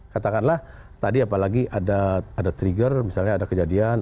katakanlah tadi apalagi ada trigger misalnya ada kejadian